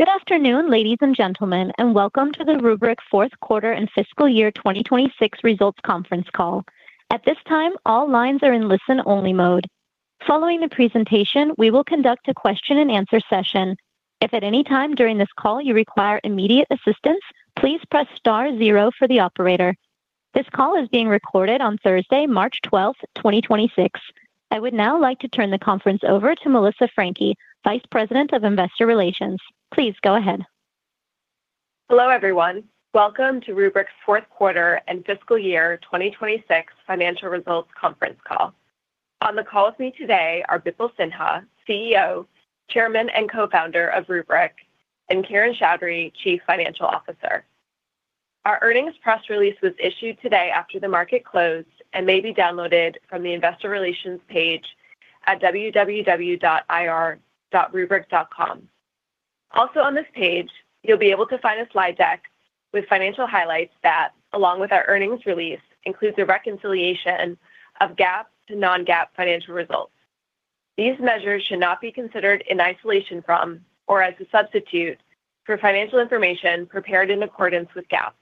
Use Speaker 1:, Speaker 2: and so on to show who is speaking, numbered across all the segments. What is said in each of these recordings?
Speaker 1: Good afternoon, ladies and gentlemen, and welcome to the Rubrik fourth quarter and fiscal year 2026 results conference call. At this time, all lines are in listen-only mode. Following the presentation, we will conduct a question and answer session. If at any time during this call you require immediate assistance, please press star zero for the operator. This call is being recorded on Thursday, March 12th, 2026. I would now like to turn the conference over to Melissa Franchi, Vice President of Investor Relations. Please go ahead.
Speaker 2: Hello, everyone. Welcome to Rubrik's fourth quarter and fiscal year 2026 financial results conference call. On the call with me today are Bipul Sinha, CEO, Chairman, and Co-founder of Rubrik, and Kiran Choudary, Chief Financial Officer. Our earnings press release was issued today after the market closed and may be downloaded from the investor relations page at www.ir.rubrik.com. Also on this page, you'll be able to find a slide deck with financial highlights that, along with our earnings release, includes a reconciliation of GAAP to non-GAAP financial results. These measures should not be considered in isolation from or as a substitute for financial information prepared in accordance with GAAP.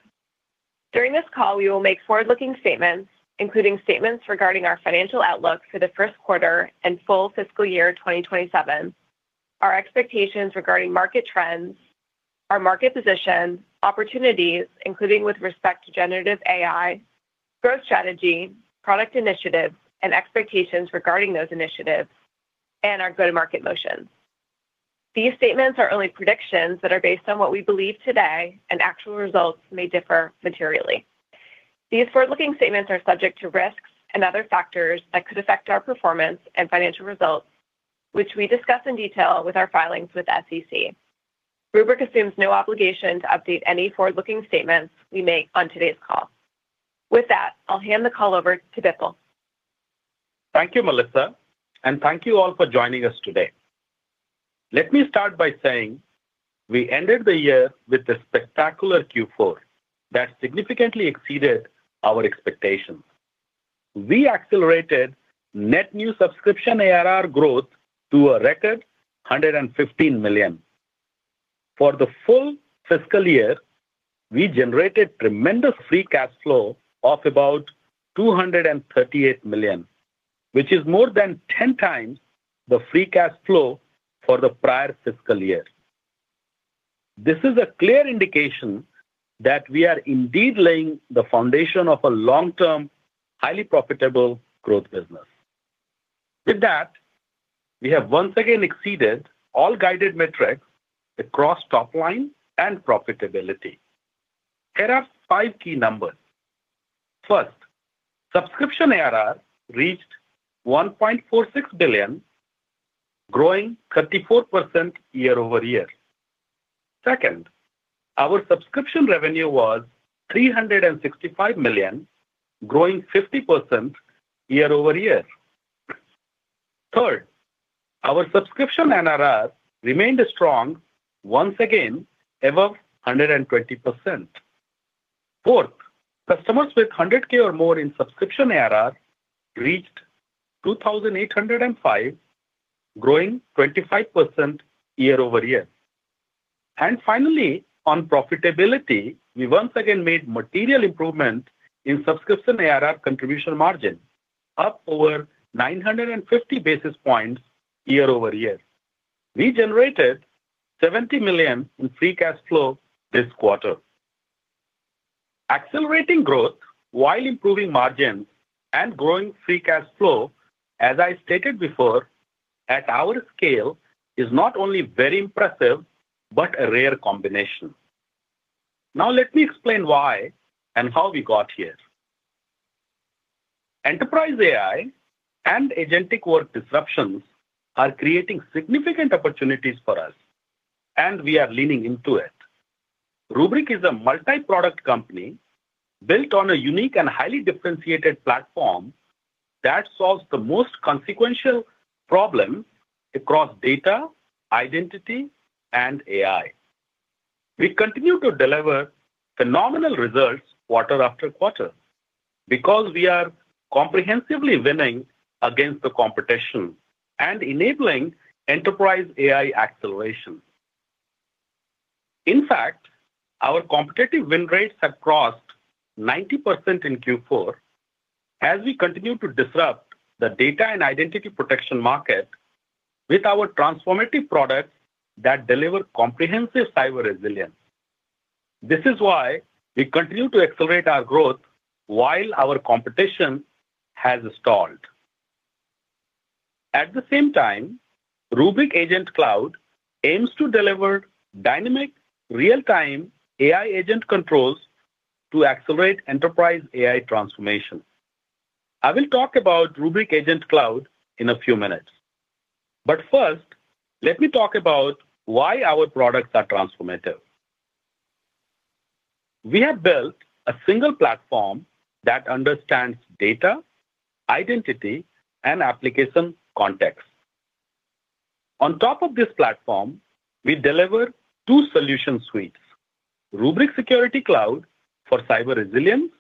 Speaker 2: During this call, we will make forward-looking statements, including statements regarding our financial outlook for the first quarter and full fiscal year 2027, our expectations regarding market trends, our market position, opportunities including with respect to generative AI, growth strategy, product initiatives and expectations regarding those initiatives, and our go-to-market motions. These statements are only predictions that are based on what we believe today, and actual results may differ materially. These forward-looking statements are subject to risks and other factors that could affect our performance and financial results, which we discuss in detail with our filings with SEC. Rubrik assumes no obligation to update any forward-looking statements we make on today's call. With that, I'll hand the call over to Bipul.
Speaker 3: Thank you, Melissa, and thank you all for joining us today. Let me start by saying we ended the year with a spectacular Q4 that significantly exceeded our expectations. We accelerated net new subscription ARR growth to a record $115 million. For the full fiscal year, we generated tremendous free cash flow of about $238 million, which is more than 10x the free cash flow for the prior fiscal year. This is a clear indication that we are indeed laying the foundation of a long-term, highly profitable growth business. With that, we have once again exceeded all guided metrics across top line and profitability. Here are five key numbers. First, subscription ARR reached $1.46 billion, growing 34% year-over-year. Second, our subscription revenue was $365 million, growing 50% year-over-year. Third, our subscription NRR remained strong once again above 120%. Fourth, customers with 100K or more in subscription ARR reached 2,805, growing 25% year-over-year. Finally, on profitability, we once again made material improvement in subscription ARR contribution margin, up over 950 basis points year-over-year. We generated $70 million in free cash flow this quarter. Accelerating growth while improving margins and growing free cash flow, as I stated before, at our scale is not only very impressive but a rare combination. Now let me explain why and how we got here. Enterprise AI and agentic work disruptions are creating significant opportunities for us, and we are leaning into it. Rubrik is a multi-product company built on a unique and highly differentiated platform that solves the most consequential problems across data, identity, and AI. We continue to deliver phenomenal results quarter after quarter because we are comprehensively winning against the competition and enabling enterprise AI acceleration. In fact, our competitive win rates have crossed 90% in Q4 as we continue to disrupt the data and identity protection market with our transformative products that deliver comprehensive cyber resilience. This is why we continue to accelerate our growth while our competition has stalled. At the same time, Rubrik Agent Cloud aims to deliver dynamic real-time AI agent controls to accelerate enterprise AI transformation. I will talk about Rubrik Agent Cloud in a few minutes, but first, let me talk about why our products are transformative. We have built a single platform that understands data, identity, and application context. On top of this platform, we deliver two solution suites. Rubrik Security Cloud for cyber resilience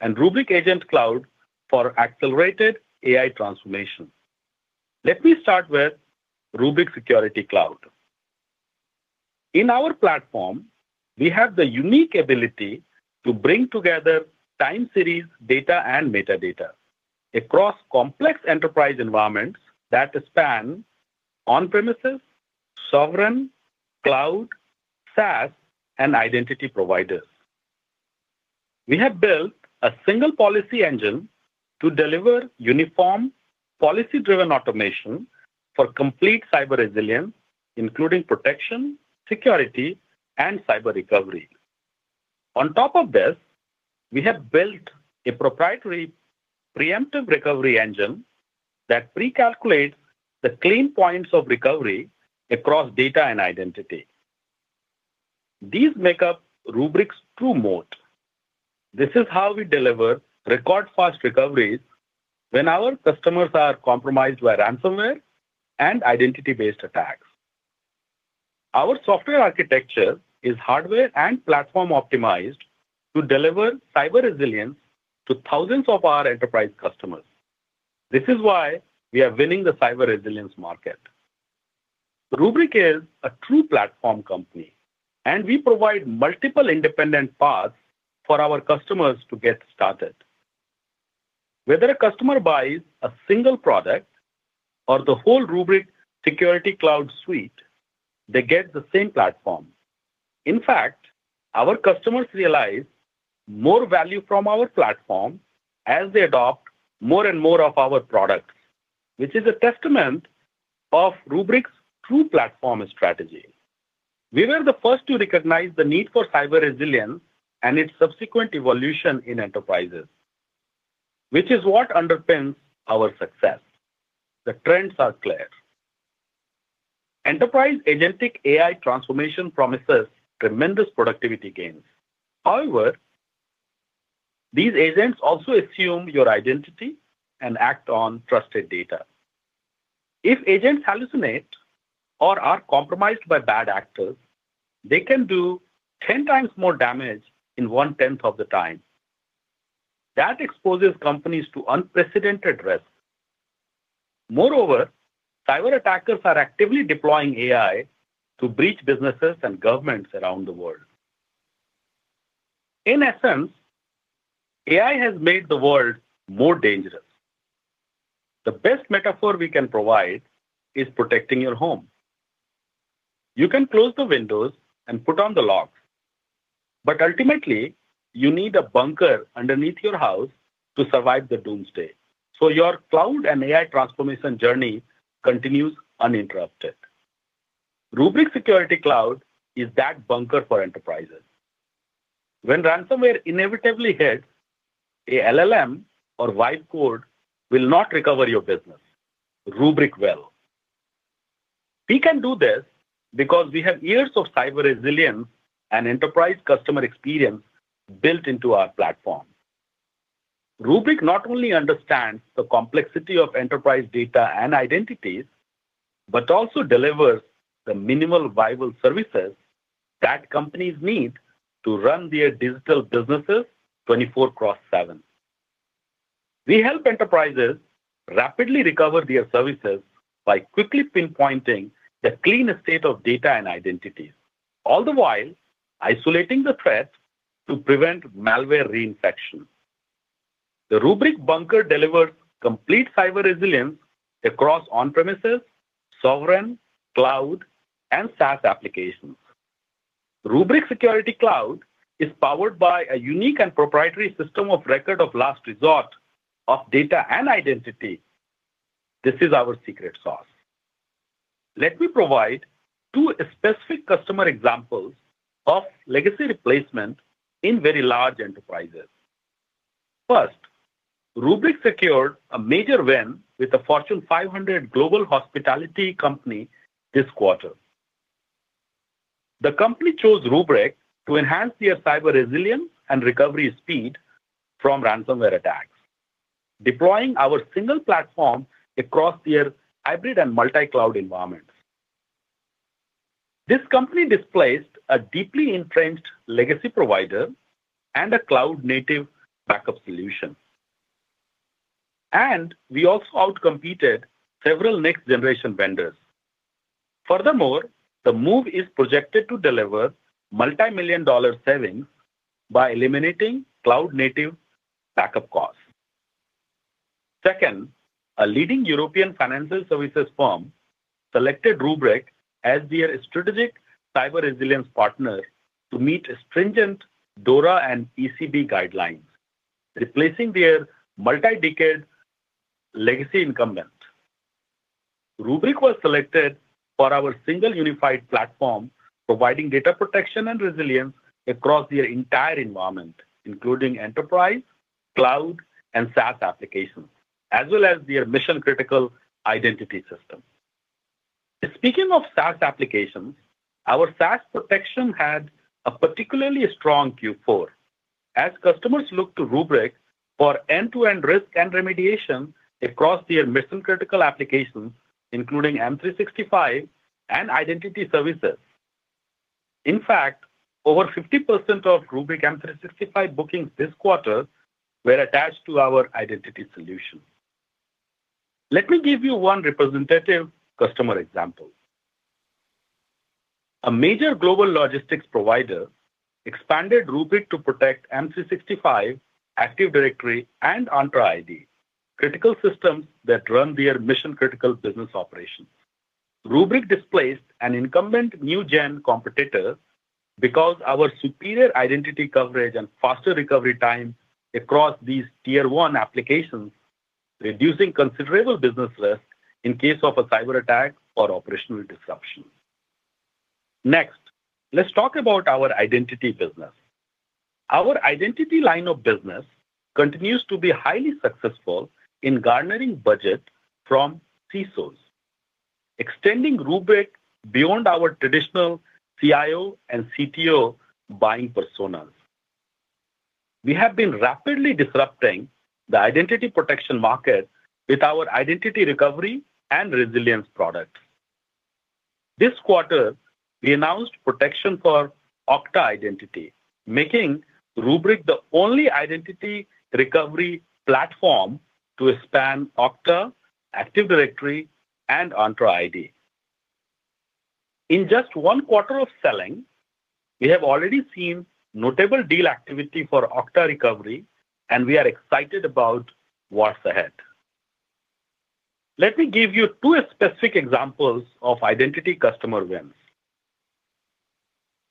Speaker 3: and Rubrik Agent Cloud for accelerated AI transformation. Let me start with Rubrik Security Cloud. In our platform, we have the unique ability to bring together time series data and metadata across complex enterprise environments that span on-premises, sovereign, cloud, SaaS, and identity providers. We have built a single policy engine to deliver uniform policy-driven automation for complete cyber resilience, including protection, security, and cyber recovery. On top of this, we have built a proprietary preemptive recovery engine that pre-calculates the clean points of recovery across data and identity. These make up Rubrik's true moat. This is how we deliver record fast recoveries when our customers are compromised by ransomware and identity-based attacks. Our software architecture is hardware and platform optimized to deliver cyber resilience to thousands of our enterprise customers. This is why we are winning the cyber resilience market. Rubrik is a true platform company, and we provide multiple independent paths for our customers to get started. Whether a customer buys a single product or the whole Rubrik Security Cloud suite, they get the same platform. In fact, our customers realize more value from our platform as they adopt more and more of our products, which is a testament of Rubrik's true platform strategy. We were the first to recognize the need for cyber resilience and its subsequent evolution in enterprises, which is what underpins our success. The trends are clear. Enterprise agentic AI transformation promises tremendous productivity gains. However, these agents also assume your identity and act on trusted data. If agents hallucinate or are compromised by bad actors, they can do ten times more damage in one-tenth of the time. That exposes companies to unprecedented risk. Moreover, cyber attackers are actively deploying AI to breach businesses and governments around the world. In essence, AI has made the world more dangerous. The best metaphor we can provide is protecting your home. You can close the windows and put on the locks, but ultimately, you need a bunker underneath your house to survive the doomsday, so your cloud and AI transformation journey continues uninterrupted. Rubrik Security Cloud is that bunker for enterprises. When ransomware inevitably hits, an LLM or AI code will not recover your business. Rubrik will. We can do this because we have years of cyber resilience and enterprise customer experience built into our platform. Rubrik not only understands the complexity of enterprise data and identities but also delivers the minimum viable services that companies need to run their digital businesses 24/7. We help enterprises rapidly recover their services by quickly pinpointing the cleaner state of data and identities, all the while isolating the threats to prevent malware reinfection. The Rubrik bunker delivers complete cyber resilience across on-premises, sovereign, cloud, and SaaS applications. Rubrik Security Cloud is powered by a unique and proprietary system of record of last resort of data and identity. This is our secret sauce. Let me provide two specific customer examples of legacy replacement in very large enterprises. First, Rubrik secured a major win with a Fortune 500 global hospitality company this quarter. The company chose Rubrik to enhance their cyber resilience and recovery speed from ransomware attacks, deploying our single platform across their hybrid and multi-cloud environments. This company displaced a deeply entrenched legacy provider and a cloud native backup solution. We also outcompeted several next-generation vendors. Furthermore, the move is projected to deliver multimillion-dollar savings by eliminating cloud native backup costs. Second, a leading European financial services firm selected Rubrik as their strategic cyber resilience partner to meet stringent DORA and ECB guidelines, replacing their multi-decade legacy incumbent. Rubrik was selected for our single unified platform, providing data protection and resilience across their entire environment, including enterprise, cloud, and SaaS applications, as well as their mission-critical identity system. Speaking of SaaS applications, our SaaS protection had a particularly strong Q4. As customers look to Rubrik for end-to-end risk and remediation across their mission-critical applications, including M365 and identity services. In fact, over 50% of Rubrik M365 bookings this quarter were attached to our identity solution. Let me give you one representative customer example. A major global logistics provider expanded Rubrik to protect M365, Active Directory, and Entra ID, critical systems that run their mission-critical business operations. Rubrik displaced an incumbent new gen competitor because our superior identity coverage and faster recovery time across these tier one applications, reducing considerable business risk in case of a cyber attack or operational disruption. Next, let's talk about our identity business. Our identity line of business continues to be highly successful in garnering budget from CISOs, extending Rubrik beyond our traditional CIO and CTO buying personas. We have been rapidly disrupting the identity protection market with our identity recovery and resilience products. This quarter, we announced protection for Okta Identity, making Rubrik the only identity recovery platform to span Okta, Active Directory, and Entra ID. In just one quarter of selling, we have already seen notable deal activity for Okta recovery, and we are excited about what's ahead. Let me give you two specific examples of identity customer wins.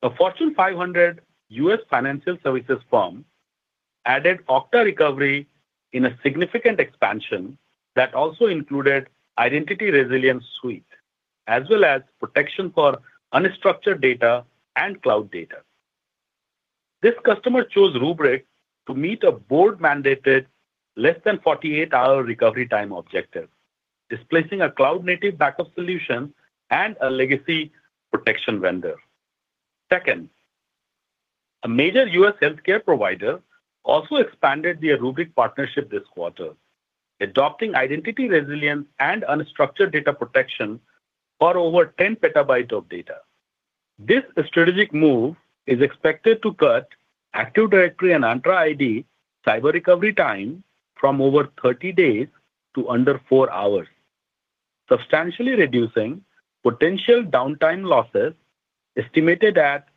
Speaker 3: A Fortune 500 U.S. financial services firm added Okta Recovery in a significant expansion that also included Identity Resilience Suite, as well as protection for unstructured data and cloud data. This customer chose Rubrik to meet a board-mandated less than 48-hour recovery time objective, displacing a cloud-native backup solution and a legacy protection vendor. Second, a major U.S. healthcare provider also expanded their Rubrik partnership this quarter, adopting Identity Resilience and unstructured data protection for over 10 PB of data. This strategic move is expected to cut Active Directory and Entra ID cyber recovery time from over 30 days to under four hours, substantially reducing potential downtime losses estimated at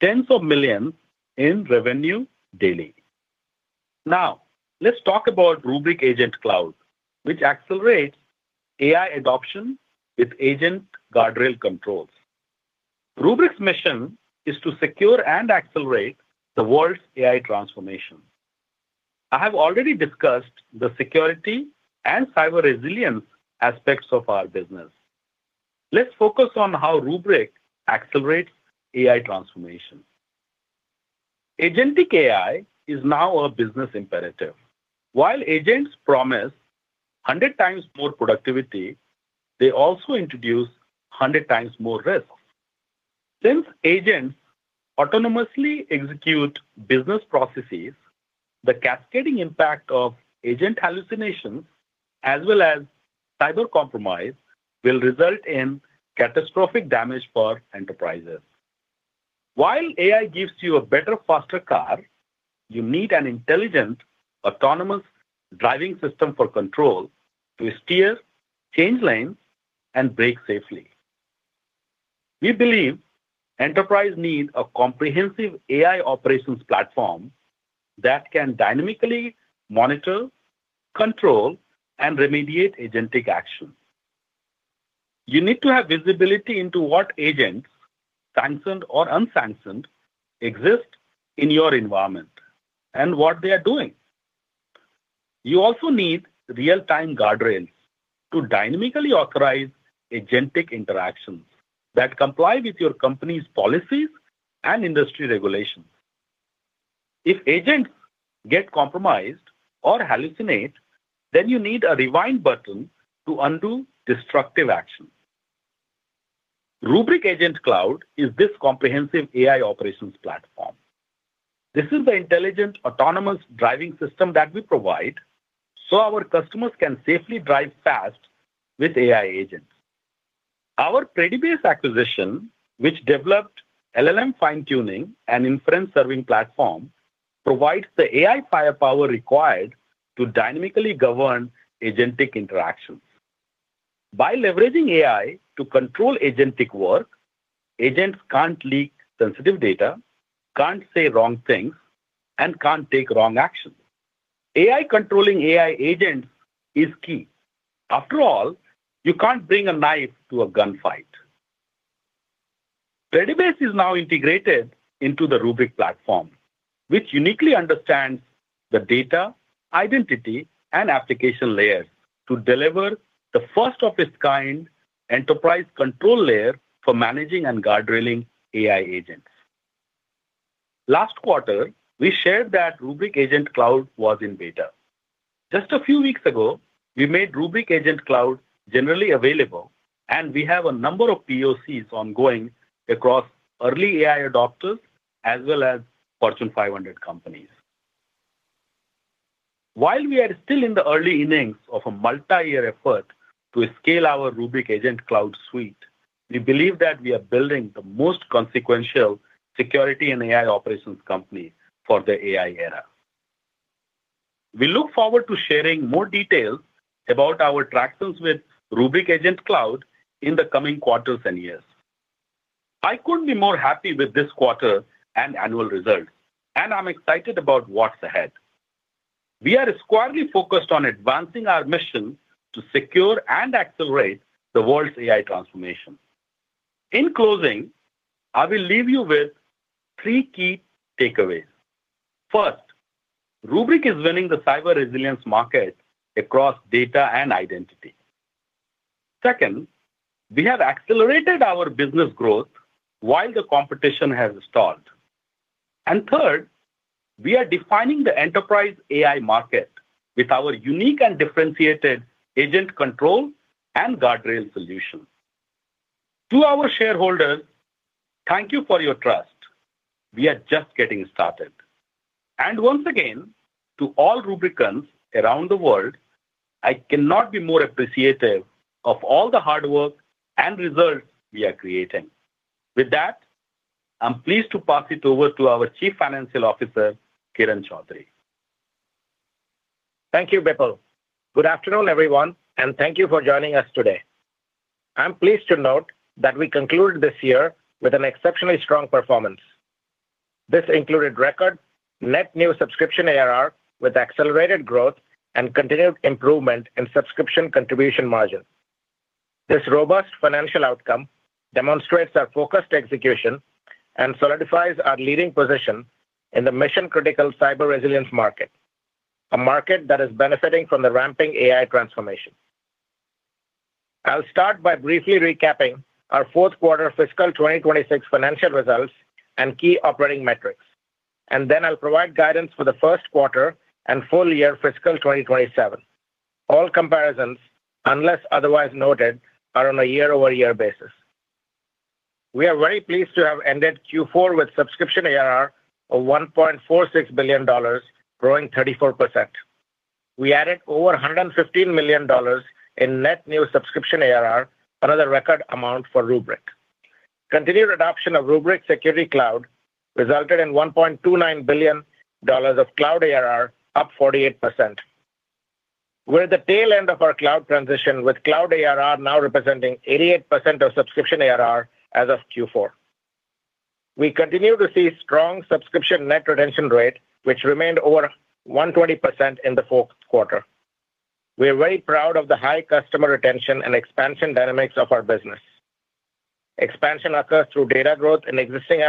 Speaker 3: tens of millions in revenue daily. Now, let's talk about Rubrik Agent Cloud, which accelerates AI adoption with agent guardrail controls. Rubrik's mission is to secure and accelerate the world's AI transformation. I have already discussed the security and cyber resilience aspects of our business. Let's focus on how Rubrik accelerates AI transformation. Agentic AI is now a business imperative. While agents promise 100x more productivity, they also introduce 100x more risks. Since agents autonomously execute business processes, the cascading impact of agent hallucinations, as well as cyber compromise, will result in catastrophic damage for enterprises. While AI gives you a better, faster car, you need an intelligent, autonomous driving system for control to steer, change lanes, and brake safely. We believe enterprises need a comprehensive AI operations platform that can dynamically monitor, control, and remediate agentic actions. You need to have visibility into what agents, sanctioned or unsanctioned, exist in your environment and what they are doing. You also need real-time guardrails to dynamically authorize agentic interactions that comply with your company's policies and industry regulations. If agents get compromised or hallucinate, then you need a rewind button to undo destructive actions. Rubrik Agent Cloud is this comprehensive AI operations platform. This is the intelligent autonomous driving system that we provide so our customers can safely drive fast with AI agents. Our Predibase acquisition, which developed LLM fine-tuning and inference serving platform, provides the AI firepower required to dynamically govern agentic interactions. By leveraging AI to control agentic work, agents can't leak sensitive data, can't say wrong things, and can't take wrong actions. AI controlling AI agents is key. After all, you can't bring a knife to a gunfight. Predibase is now integrated into the Rubrik platform, which uniquely understands the data, identity, and application layers to deliver the first of its kind enterprise control layer for managing and guardrailing AI agents. Last quarter, we shared that Rubrik Agent Cloud was in beta. Just a few weeks ago, we made Rubrik Agent Cloud generally available, and we have a number of POCs ongoing across early AI adopters as well as Fortune 500 companies. While we are still in the early innings of a multi-year effort to scale our Rubrik Agent Cloud Suite, we believe that we are building the most consequential security and AI operations company for the AI era. We look forward to sharing more details about our traction with Rubrik Agent Cloud in the coming quarters and years. I couldn't be more happy with this quarter and annual results, and I'm excited about what's ahead. We are squarely focused on advancing our mission to secure and accelerate the world's AI transformation. In closing, I will leave you with three key takeaways. First, Rubrik is winning the cyber resilience market across data and identity. Second, we have accelerated our business growth while the competition has stalled. Third, we are defining the enterprise AI market with our unique and differentiated agent control and guardrail solutions. To our shareholders, thank you for your trust. We are just getting started. Once again, to all Rubrikans around the world, I cannot be more appreciative of all the hard work and results we are creating. With that, I'm pleased to pass it over to our Chief Financial Officer, Kiran Choudary.
Speaker 4: Thank you, Bipul. Good afternoon, everyone, and thank you for joining us today. I'm pleased to note that we concluded this year with an exceptionally strong performance. This included record net new subscription ARR with accelerated growth and continued improvement in subscription contribution margins. This robust financial outcome demonstrates our focused execution and solidifies our leading position in the mission-critical cyber resilience market, a market that is benefiting from the ramping AI transformation. I'll start by briefly recapping our fourth quarter fiscal 2026 financial results and key operating metrics. Then I'll provide guidance for the first quarter and full year fiscal 2027. All comparisons, unless otherwise noted, are on a year-over-year basis. We are very pleased to have ended Q4 with subscription ARR of $1.46 billion, growing 34%. We added over $115 million in net new subscription ARR, another record amount for Rubrik. Continued adoption of Rubrik Security Cloud resulted in $1.29 billion of cloud ARR, up 48%. We're at the tail end of our cloud transition, with cloud ARR now representing 88% of subscription ARR as of Q4. We continue to see strong subscription net retention rate, which remained over 120% in the fourth quarter. We are very proud of the high customer retention and expansion dynamics of our business. Expansion occurs through data growth in existing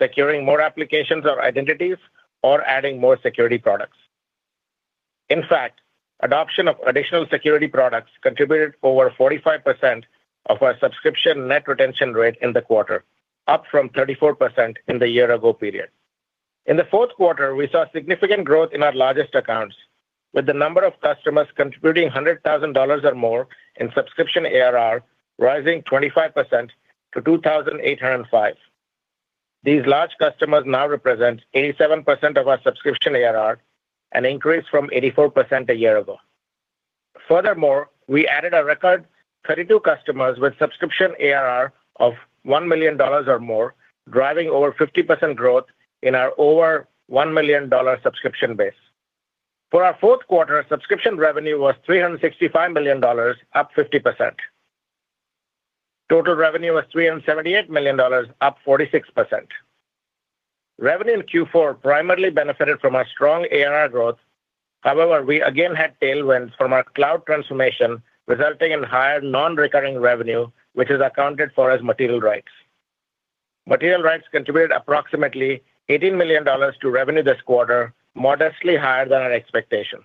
Speaker 4: applications, securing more applications or identities, or adding more security products. In fact, adoption of additional security products contributed over 45% of our subscription net retention rate in the quarter, up from 34% in the year ago period. In the fourth quarter, we saw significant growth in our largest accounts, with the number of customers contributing $100,000 or more in subscription ARR rising 25% to 2,805. These large customers now represent 87% of our subscription ARR, an increase from 84% a year ago. Furthermore, we added a record 32 customers with subscription ARR of $1 million or more, driving over 50% growth in our over $1 million subscription base. For our fourth quarter, subscription revenue was $365 million, up 50%. Total revenue was $378 million, up 46%. Revenue in Q4 primarily benefited from our strong ARR growth. However, we again had tailwinds from our cloud transformation, resulting in higher non-recurring revenue, which is accounted for as material rights. Material rights contributed approximately $18 million to revenue this quarter, modestly higher than our expectation.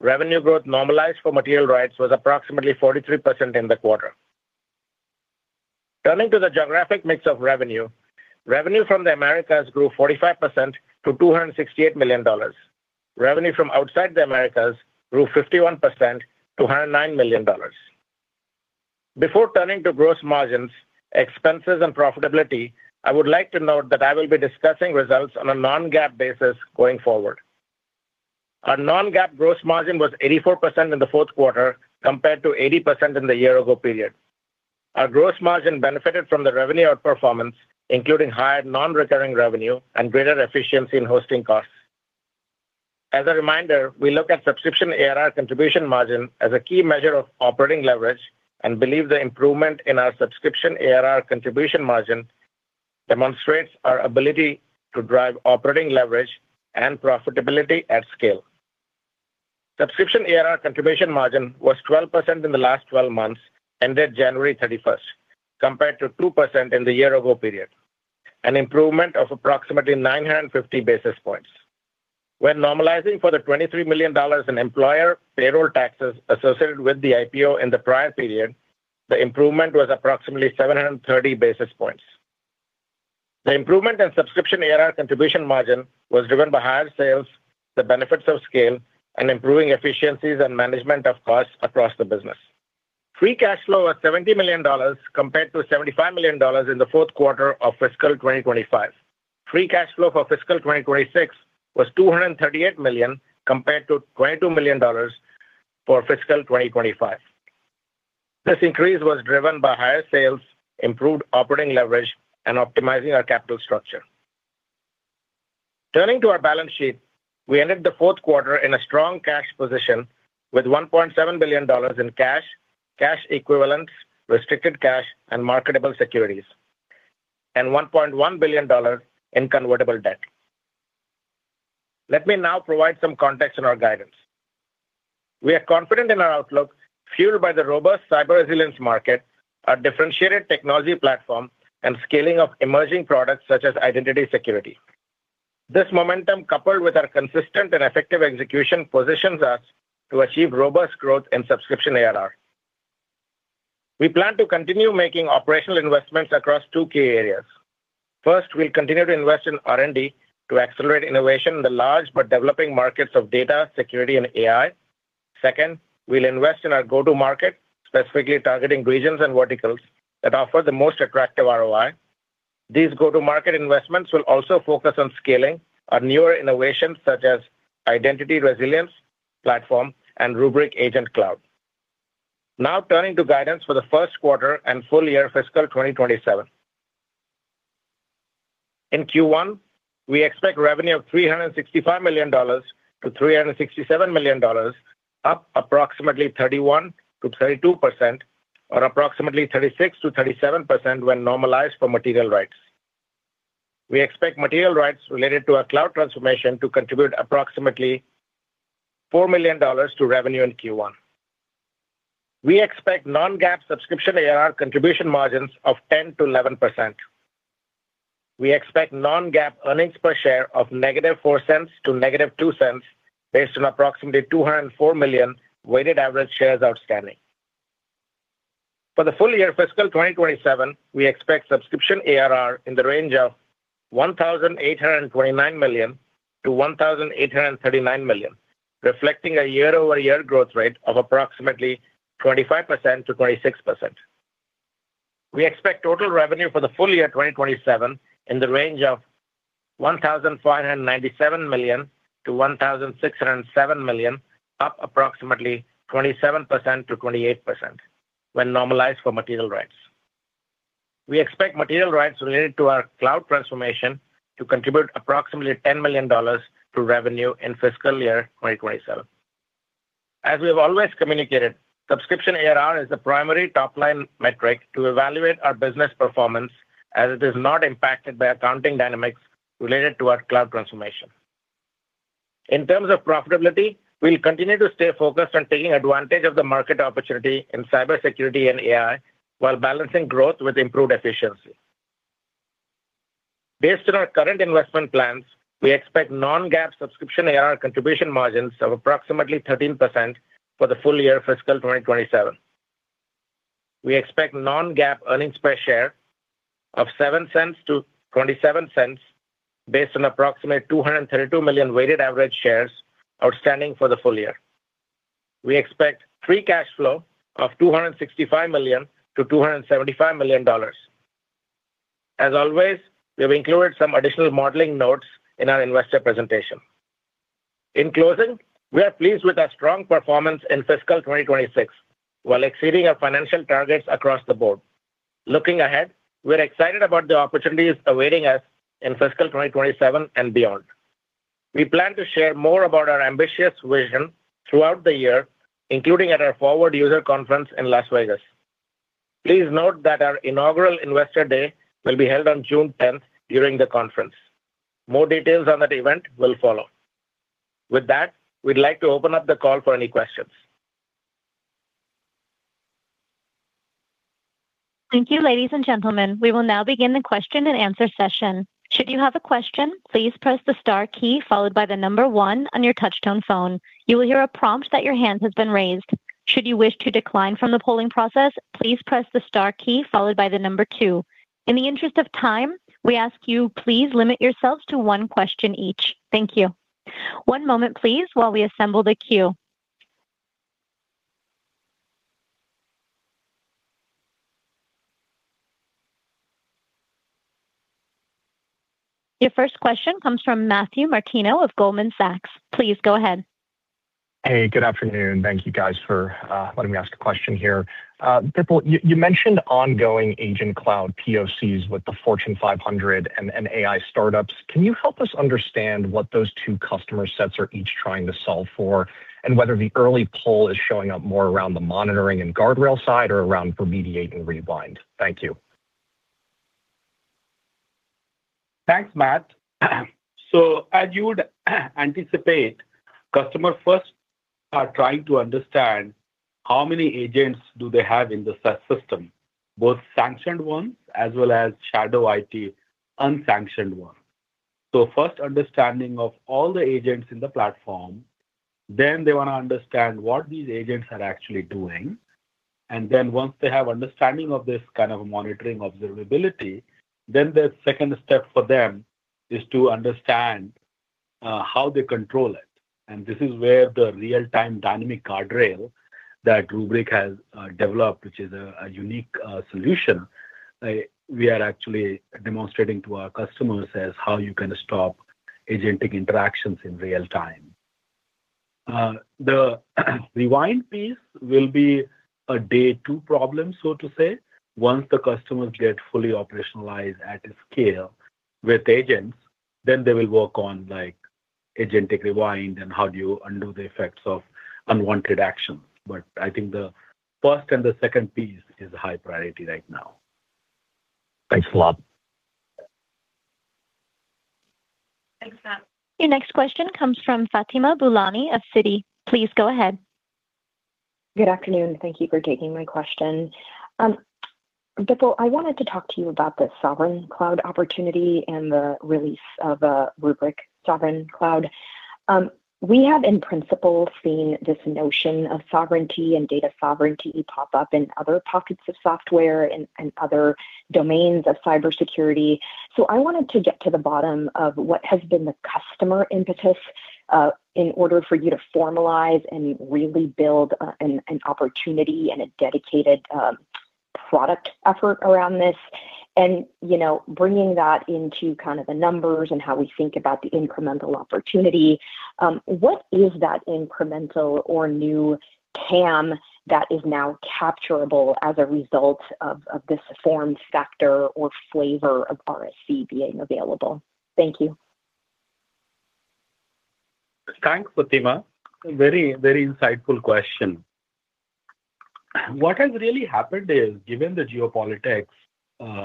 Speaker 4: Revenue growth normalized for material rights was approximately 43% in the quarter. Turning to the geographic mix of revenue from the Americas grew 45% to $268 million. Revenue from outside the Americas grew 51% to $109 million. Before turning to gross margins, expenses, and profitability, I would like to note that I will be discussing results on a non-GAAP basis going forward. Our non-GAAP gross margin was 84% in the fourth quarter compared to 80% in the year ago period. Our gross margin benefited from the revenue outperformance, including higher non-recurring revenue and greater efficiency in hosting costs. As a reminder, we look at subscription ARR contribution margin as a key measure of operating leverage and believe the improvement in our subscription ARR contribution margin demonstrates our ability to drive operating leverage and profitability at scale. Subscription ARR contribution margin was 12% in the last 12 months, ended January 31st, compared to 2% in the year ago period, an improvement of approximately 950 basis points. When normalizing for the $23 million in employer payroll taxes associated with the IPO in the prior period, the improvement was approximately 730 basis points. The improvement in subscription ARR contribution margin was driven by higher sales, the benefits of scale, and improving efficiencies and management of costs across the business. Free cash flow was $70 million compared to $75 million in the fourth quarter of fiscal 2025. Free cash flow for fiscal 2026 was $238 million compared to $22 million for fiscal 2025. This increase was driven by higher sales, improved operating leverage, and optimizing our capital structure. Turning to our balance sheet, we ended the fourth quarter in a strong cash position with $1.7 billion in cash equivalents, restricted cash and marketable securities, and $1.1 billion in convertible debt. Let me now provide some context on our guidance. We are confident in our outlook, fueled by the robust cyber resilience market, our differentiated technology platform, and scaling of emerging products such as identity security. This momentum, coupled with our consistent and effective execution, positions us to achieve robust growth in subscription ARR. We plan to continue making operational investments across two key areas. First, we'll continue to invest in R&D to accelerate innovation in the large but developing markets of data security and AI. Second, we'll invest in our go-to-market, specifically targeting regions and verticals that offer the most attractive ROI. These go-to-market investments will also focus on scaling our newer innovations, such as Identity Resilience Platform and Rubrik Agent Cloud. Now turning to guidance for the first quarter and full year fiscal 2027. In Q1, we expect revenue of $365 million-$367 million, up approximately 31%-32%, or approximately 36%-37% when normalized for material rights. We expect material rights related to our cloud transformation to contribute approximately $4 million to revenue in Q1. We expect non-GAAP subscription ARR contribution margins of 10%-11%. We expect non-GAAP earnings per share of -$0.04 to -$0.02 based on approximately 204 million weighted average shares outstanding. For the full year fiscal 2027, we expect subscription ARR in the range of $1,829 million-$1,839 million, reflecting a year-over-year growth rate of approximately 25%-26%. We expect total revenue for the full year 2027 in the range of $1,597 million-$1,607 million, up approximately 27%-28% when normalized for material rights. We expect material rights related to our cloud transformation to contribute approximately $10 million to revenue in fiscal year 2027. As we have always communicated, subscription ARR is the primary top-line metric to evaluate our business performance as it is not impacted by accounting dynamics related to our cloud transformation. In terms of profitability, we'll continue to stay focused on taking advantage of the market opportunity in cybersecurity and AI while balancing growth with improved efficiency. Based on our current investment plans, we expect non-GAAP subscription ARR contribution margins of approximately 13% for the full year fiscal 2027. We expect non-GAAP EPS of $0.07-$0.27 based on approximately 232 million weighted average shares outstanding for the full year. We expect free cash flow of $265 million-$275 million. As always, we have included some additional modeling notes in our investor presentation. In closing, we are pleased with our strong performance in fiscal 2026 while exceeding our financial targets across the board. Looking ahead, we're excited about the opportunities awaiting us in fiscal 2027 and beyond. We plan to share more about our ambitious vision throughout the year, including at our Forward user conference in Las Vegas. Please note that our inaugural Investor Day will be held on June 10 during the conference. More details on that event will follow. With that, we'd like to open up the call for any questions.
Speaker 1: Thank you, ladies and gentlemen. We will now begin the question and answer session. Should you have a question, please press the star key followed by one on your touch-tone phone. You will hear a prompt that your hand has been raised. Should you wish to decline from the polling process, please press the star key followed by two. In the interest of time, we ask you please limit yourselves to one question each. Thank you. One moment, please, while we assemble the queue. Your first question comes from Matthew Martino of Goldman Sachs. Please go ahead.
Speaker 5: Hey, good afternoon. Thank you guys for letting me ask a question here. Bipul, you mentioned ongoing Agent Cloud POCs with the Fortune 500 and AI startups. Can you help us understand what those two customer sets are each trying to solve for, and whether the early pull is showing up more around the monitoring and guardrail side or around remediate and govern? Thank you.
Speaker 3: Thanks, Matt. As you would anticipate, customers first are trying to understand how many agents do they have in the system, both sanctioned ones as well as shadow IT unsanctioned ones. First understanding of all the agents in the platform, then they want to understand what these agents are actually doing. Then once they have understanding of this kind of monitoring observability, then the second step for them is to understand how they control it. This is where the real-time dynamic guardrail that Rubrik has developed, which is a unique solution, we are actually demonstrating to our customers as how you can stop agentic interactions in real time. The rewind piece will be a day two problem, so to say. Once the customers get fully operationalized at scale with agents, then they will work on, like, agentic rewind and how do you undo the effects of unwanted actions. I think the first and the second piece is high priority right now.
Speaker 5: Thanks a lot.
Speaker 2: Thanks, Sam.
Speaker 1: Your next question comes from Fatima Boolani of Citi. Please go ahead.
Speaker 6: Good afternoon. Thank you for taking my question. Bipul, I wanted to talk to you about the sovereign cloud opportunity and the release of Rubrik Sovereign Cloud. We have in principle seen this notion of sovereignty and data sovereignty pop up in other pockets of software and other domains of cybersecurity. I wanted to get to the bottom of what has been the customer impetus in order for you to formalize and really build an opportunity and a dedicated product effort around this. You know, bringing that into kind of the numbers and how we think about the incremental opportunity, what is that incremental or new TAM that is now capturable as a result of this form factor or flavor of RSC being available? Thank you.
Speaker 3: Thanks, Fatima. Very, very insightful question. What has really happened is, given the geopolitics of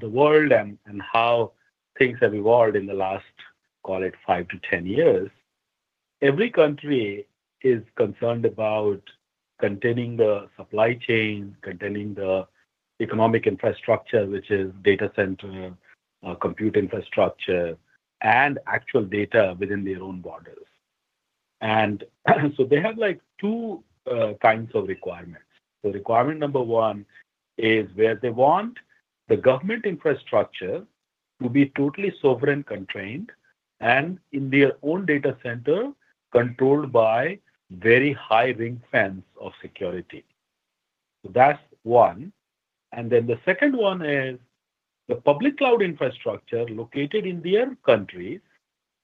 Speaker 3: the world and how things have evolved in the last, call it 5-10 years, every country is concerned about containing the supply chain, containing the economic infrastructure, which is data center compute infrastructure, and actual data within their own borders. They have, like, two kinds of requirements. Requirement number one is where they want the government infrastructure to be totally sovereign constrained and in their own data center controlled by very high ring fence of security. That's one. The second one is the public cloud infrastructure located in their country,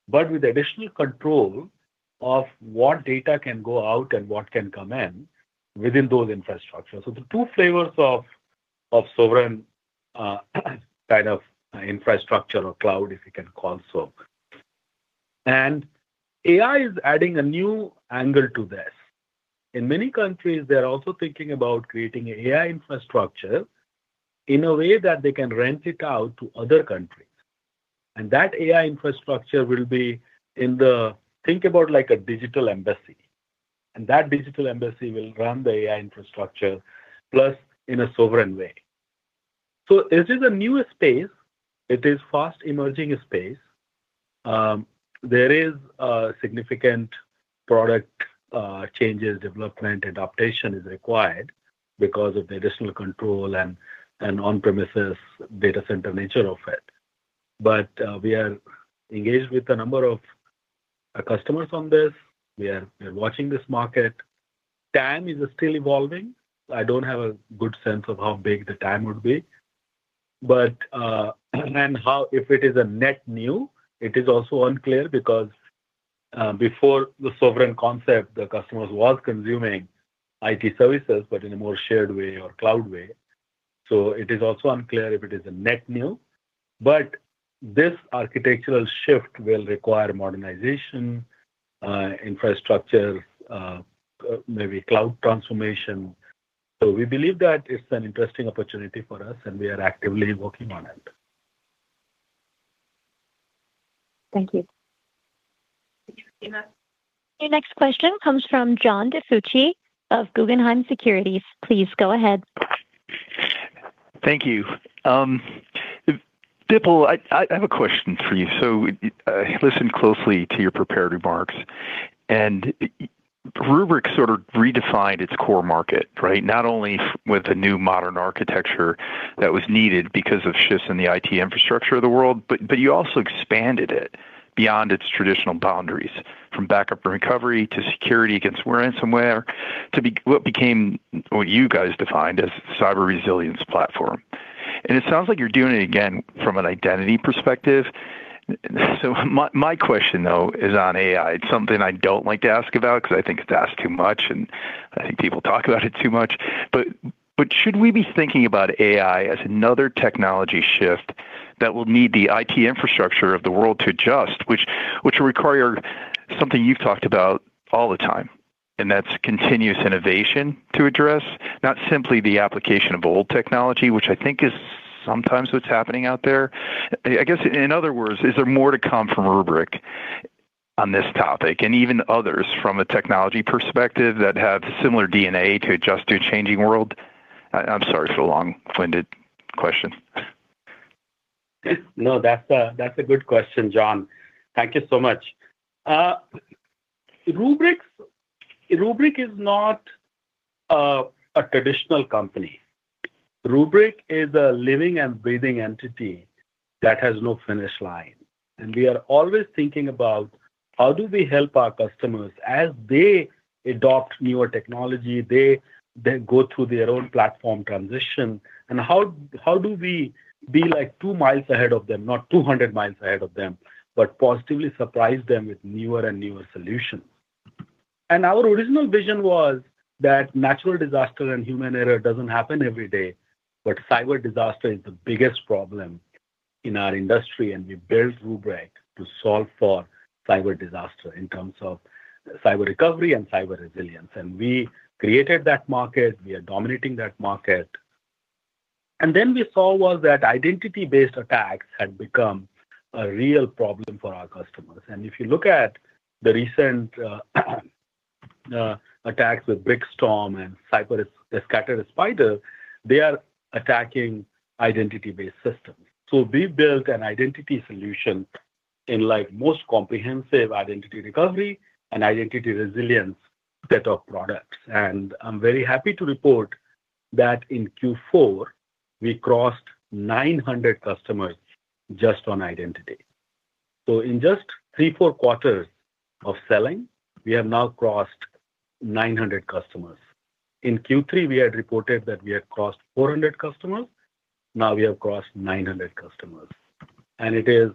Speaker 3: but with additional control of what data can go out and what can come in within those infrastructure. The two flavors of sovereign kind of infrastructure or cloud, if you can call so. AI is adding a new angle to this. In many countries, they're also thinking about creating AI infrastructure in a way that they can rent it out to other countries. That AI infrastructure will be in the—think about like a digital embassy. That digital embassy will run the AI infrastructure plus in a sovereign way. This is a new space. It is fast emerging space. There is significant product changes, development, adaptation is required because of the additional control and on-premises data center nature of it. We are engaged with a number of customers on this. We are watching this market. TAM is still evolving. I don't have a good sense of how big the TAM would be. If it is a net new, it is also unclear because before the sovereign concept, the customers was consuming IT services, but in a more shared way or cloud way. It is also unclear if it is a net new. This architectural shift will require modernization, infrastructure, maybe cloud transformation. We believe that it's an interesting opportunity for us, and we are actively working on it.
Speaker 6: Thank you.
Speaker 2: Thank you, Fatima.
Speaker 1: Your next question comes from John DiFucci of Guggenheim Securities. Please go ahead.
Speaker 7: Thank you. Bipul, I have a question for you. I listened closely to your prepared remarks. Rubrik sort of redefined its core market, right? Not only with the new modern architecture that was needed because of shifts in the IT infrastructure of the world, but you also expanded it beyond its traditional boundaries, from backup and recovery to security against ransomware to what became what you guys defined as cyber resilience platform. It sounds like you're doing it again from an identity perspective. My question, though, is on AI. It's something I don't like to ask about because I think it's asked too much, and I think people talk about it too much. Should we be thinking about AI as another technology shift that will need the IT infrastructure of the world to adjust, which will require something you've talked about all the time, and that's continuous innovation to address, not simply the application of old technology, which I think is sometimes what's happening out there. I guess, in other words, is there more to come from Rubrik? On this topic and even others from a technology perspective that have similar DNA to adjust to a changing world. I'm sorry, so long-winded question.
Speaker 3: No, that's a good question, John. Thank you so much. Rubrik is not a traditional company. Rubrik is a living and breathing entity that has no finish line. We are always thinking about how do we help our customers as they adopt newer technology, they go through their own platform transition, and how do we be like two miles ahead of them, not 200 miles ahead of them, but positively surprise them with newer and newer solutions. Our original vision was that natural disaster and human error doesn't happen every day, but cyber disaster is the biggest problem in our industry, and we build Rubrik to solve for cyber disaster in terms of cyber recovery and cyber resilience. We created that market, we are dominating that market. We saw that identity-based attacks had become a real problem for our customers. If you look at the recent attacks with BlackStorm and Scattered Spider, they are attacking identity-based systems. We built one of the most comprehensive identity recovery and identity resilience set of products. I'm very happy to report that in Q4, we crossed 900 customers just on identity. In just three to four quarters of selling, we have now crossed 900 customers. In Q3, we had reported that we had crossed 400 customers. Now we have crossed 900 customers. It is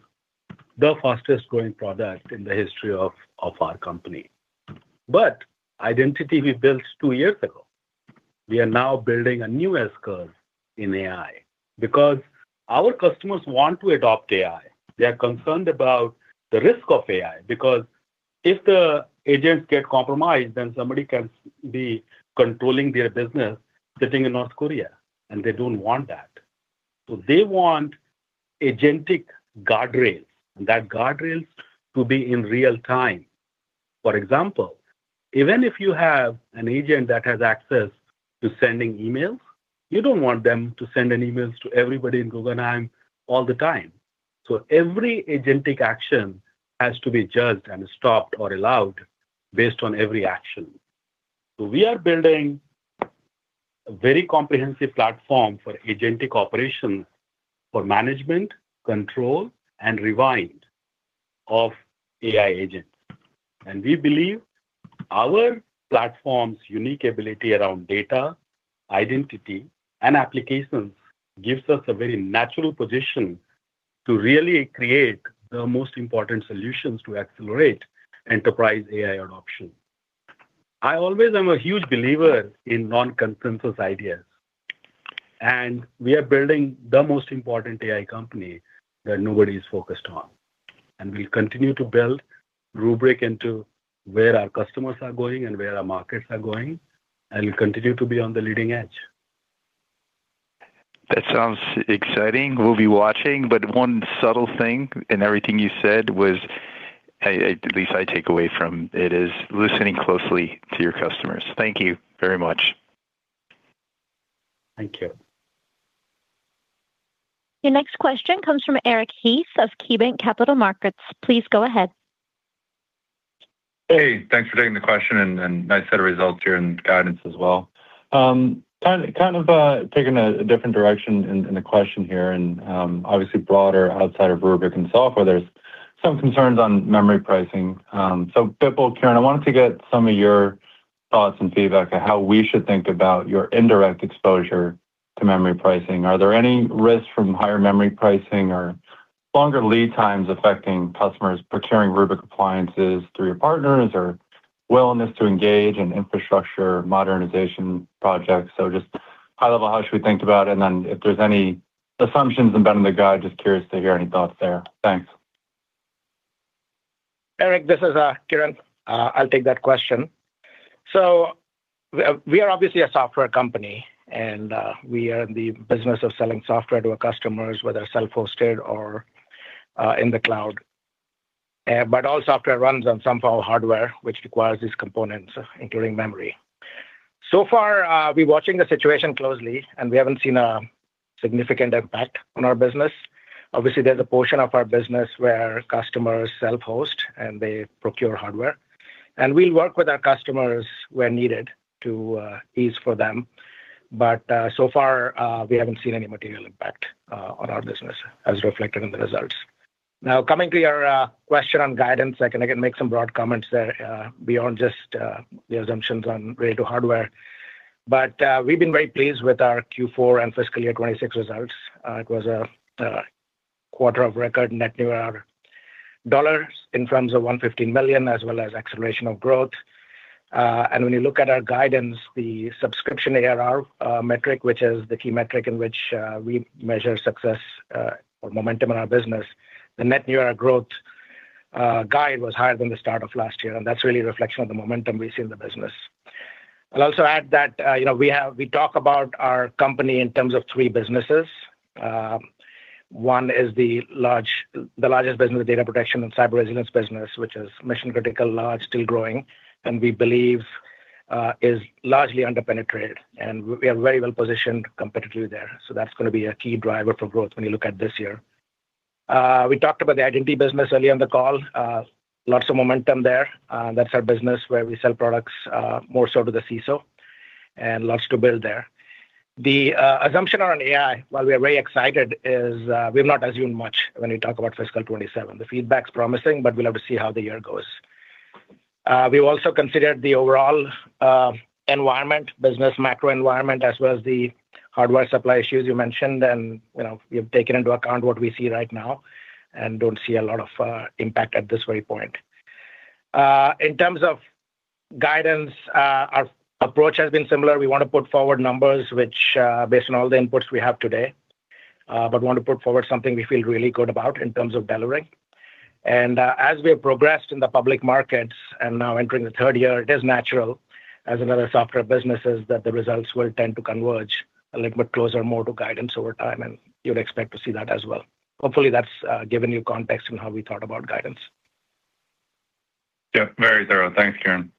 Speaker 3: the fastest-growing product in the history of our company. Identity we built two years ago. We are now building a new S-curve in AI because our customers want to adopt AI. They are concerned about the risk of AI because if the agents get compromised, then somebody can be controlling their business sitting in North Korea, and they don't want that. They want agentic guardrails, and that guardrails to be in real-time. For example, even if you have an agent that has access to sending emails, you don't want them to send any emails to everybody in Google and all the time. Every agentic action has to be judged and stopped or allowed based on every action. We are building a very comprehensive platform for agentic operation for management, control, and rewind of AI agents. We believe our platform's unique ability around data, identity, and applications gives us a very natural position to really create the most important solutions to accelerate enterprise AI adoption. I always am a huge believer in non-consensus ideas, and we are building the most important AI company that nobody is focused on. We'll continue to build Rubrik into where our customers are going and where our markets are going, and we'll continue to be on the leading edge.
Speaker 7: That sounds exciting. We'll be watching. One subtle thing in everything you said was, at least I take away from it, is listening closely to your customers. Thank you very much.
Speaker 3: Thank you.
Speaker 1: Your next question comes from Eric Heath of KeyBanc Capital Markets. Please go ahead.
Speaker 8: Hey, thanks for taking the question and nice set of results here and guidance as well. Kind of taking a different direction in the question here and obviously broader outside of Rubrik and software, there's some concerns on memory pricing. Bipul, Kiran, I wanted to get some of your thoughts and feedback on how we should think about your indirect exposure to memory pricing. Are there any risks from higher memory pricing or longer lead times affecting customers procuring Rubrik appliances through your partners or willingness to engage in infrastructure modernization projects? Just high level, how should we think about it? Then if there's any assumptions embedded in the guide, just curious to hear any thoughts there. Thanks.
Speaker 4: Eric, this is Kiran. I'll take that question. We are obviously a software company, and we are in the business of selling software to our customers, whether self-hosted or in the cloud. But all software runs on some form of hardware, which requires these components, including memory. We're watching the situation closely, and we haven't seen a significant impact on our business. Obviously, there's a portion of our business where customers self-host and they procure hardware. We work with our customers where needed to ease it for them. So far, we haven't seen any material impact on our business as reflected in the results. Now, coming to your question on guidance, I can again make some broad comments there, beyond just the assumptions related to hardware. We've been very pleased with our Q4 and fiscal year 2026 results. It was a quarter of record net new ARR dollars in terms of $115 million, as well as acceleration of growth. When you look at our guidance, the subscription ARR metric, which is the key metric in which we measure success or momentum in our business, the net new ARR growth guide was higher than the start of last year. That's really a reflection of the momentum we see in the business. I'll also add that, you know, we talk about our company in terms of three businesses. One is the largest business, data protection and cyber resilience business, which is mission-critical, large, still growing, and we believe is largely under-penetrated. We are very well positioned competitively there. That's gonna be a key driver for growth when you look at this year. We talked about the identity business early on the call. Lots of momentum there. That's our business where we sell products, more so to the CISO and lots to build there. The assumption on AI, while we are very excited, is, we've not assumed much when you talk about fiscal 2027. The feedback's promising, but we'll have to see how the year goes. We also considered the overall environment, business macro environment, as well as the hardware supply issues you mentioned. You know, we have taken into account what we see right now and don't see a lot of impact at this very point. In terms of guidance, our approach has been similar. We wanna put forward numbers which are based on all the inputs we have today, but want to put forward something we feel really good about in terms of delivering. As we have progressed in the public markets and now entering the third year, it is natural as in other software businesses that the results will tend to converge a little bit closer, more to guidance over time, and you'd expect to see that as well. Hopefully, that's given you context on how we thought about guidance.
Speaker 8: Yeah, very thorough. Thanks, Kiran.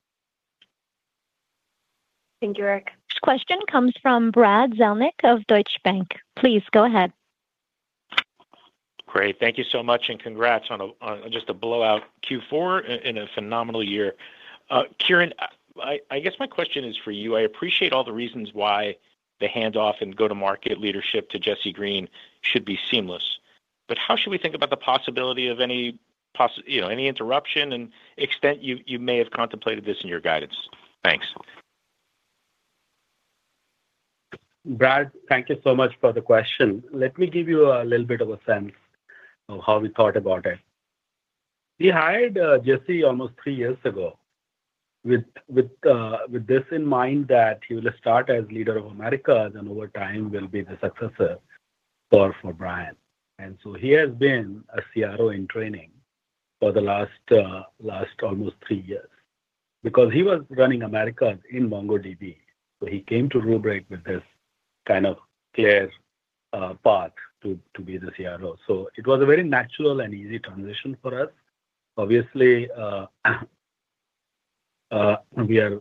Speaker 8: Thank you, Eric.
Speaker 1: This question comes from Brad Zelnick of Deutsche Bank. Please go ahead.
Speaker 9: Great. Thank you so much and congrats on just a blowout Q4 and a phenomenal year. Kiran, I guess my question is for you. I appreciate all the reasons why the handoff and go-to-market leadership to Jesse Greene should be seamless. How should we think about the possibility of any, you know, interruption, and to the extent you may have contemplated this in your guidance? Thanks.
Speaker 3: Brad, thank you so much for the question. Let me give you a little bit of a sense of how we thought about it. We hired Jesse almost three years ago with this in mind that he will start as leader of Americas, and over time will be the successor for Brian. He has been a CRO in training for the last almost three years because he was running Americas in MongoDB. He came to Rubrik with this kind of clear path to be the CRO. It was a very natural and easy transition for us. Obviously, we are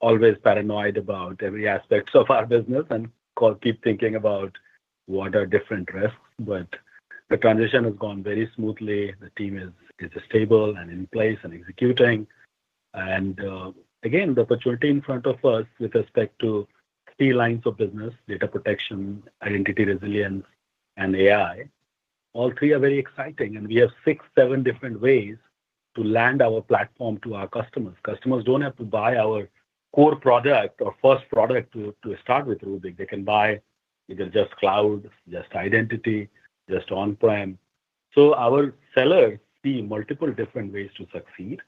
Speaker 3: always paranoid about every aspect of our business and keep thinking about what are different risks, but the transition has gone very smoothly. The team is stable and in place and executing. Again, the opportunity in front of us with respect to three lines of business, data protection, Identity Resilience, and AI, all three are very exciting. We have six, seven different ways to land our platform to our customers. Customers don't have to buy our core product or first product to start with Rubrik. They can buy either just cloud, just identity, just on-prem. Our sellers see multiple different ways to succeed,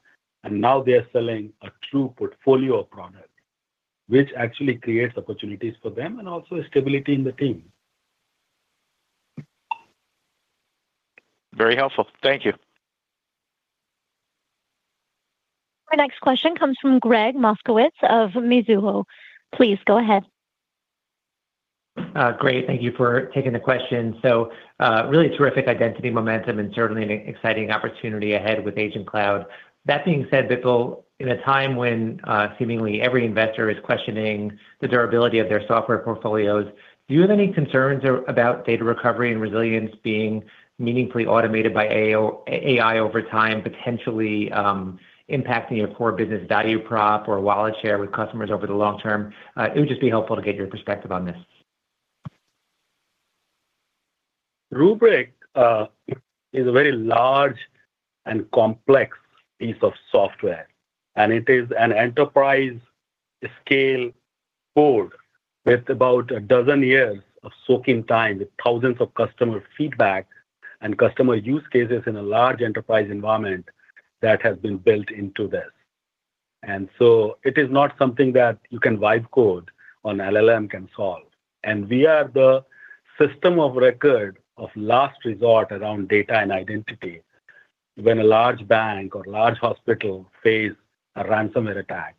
Speaker 3: and now they are selling a true portfolio of products, which actually creates opportunities for them and also stability in the team.
Speaker 9: Very helpful. Thank you.
Speaker 1: Our next question comes from Gregg Moskowitz of Mizuho. Please go ahead.
Speaker 10: Great. Thank you for taking the question. Really terrific identity momentum and certainly an exciting opportunity ahead with Agent Cloud. That being said, Bipul, in a time when seemingly every investor is questioning the durability of their software portfolios, do you have any concerns about data recovery and resilience being meaningfully automated by AI over time, potentially impacting your core business value prop or wallet share with customers over the long term? It would just be helpful to get your perspective on this.
Speaker 3: Rubrik is a very large and complex piece of software, and it is an enterprise-scale code with about 12 years of soaking time with thousands of customer feedback and customer use cases in a large enterprise environment that has been built into this. It is not something that you can write code or an LLM can solve. We are the system of record of last resort around data and identity when a large bank or large hospital face a ransomware attack.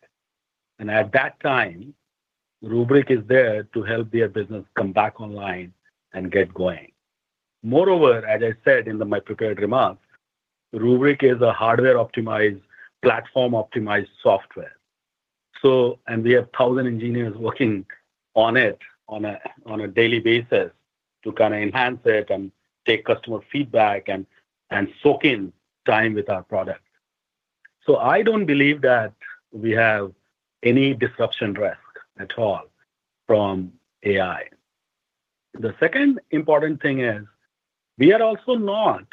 Speaker 3: At that time, Rubrik is there to help their business come back online and get going. Moreover, as I said in my prepared remarks, Rubrik is a hardware-optimized, platform-optimized software. We have 1,000 engineers working on it on a daily basis to kinda enhance it and take customer feedback and soak in time with our product. I don't believe that we have any disruption risk at all from AI. The second important thing is we are also not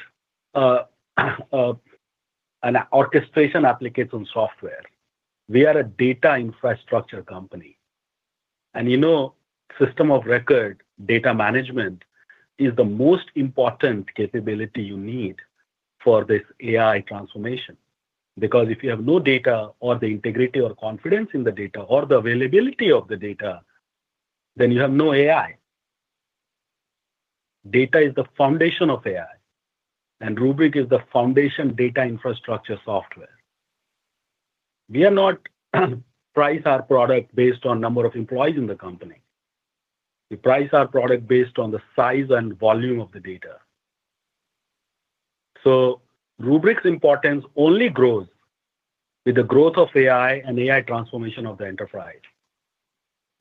Speaker 3: an orchestration application software. We are a data infrastructure company. You know, system of record, data management is the most important capability you need for this AI transformation. Because if you have no data or the integrity or confidence in the data or the availability of the data, then you have no AI. Data is the foundation of AI, and Rubrik is the foundation data infrastructure software. We are not price our product based on number of employees in the company. We price our product based on the size and volume of the data. Rubrik's importance only grows with the growth of AI and AI transformation of the enterprise.